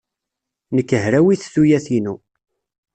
Nekk hrawit tuyat-inu.